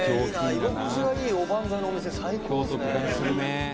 居心地がいいおばんざいのお店最高ですね」